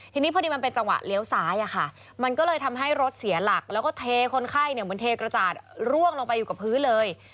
ทีนี้พอดีมันเป็นจังหวะเลี้ยวซ้ายอะค่ะมันก็เลยทำให้รถเสียหลักแล้วก็เทคนไข้เนี่ยเหมือนเทกระจาดร่วงลงไปอยู่กับพื้นเลย